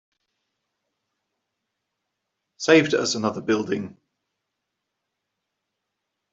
Saved us another building.